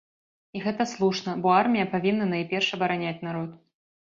І гэта слушна, бо армія павінна, найперш, абараняць народ.